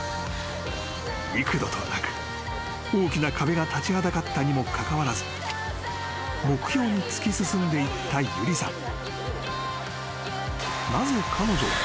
［幾度となく大きな壁が立ちはだかったにもかかわらず目標に突き進んでいった有理さん］